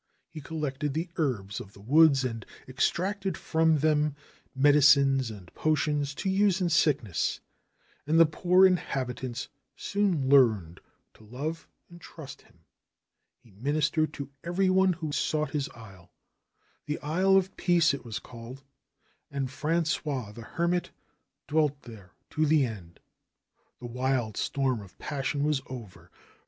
He collected the herbs of the woods and extracted from them medicines and potions to use in sickness, and the poor habitants soon learned to love and trust him. He ministered to every one who sought his isle. The Isle of Peace it was called. And Frangois the Hermit dwelt there to the end. The wild storm of passion was over.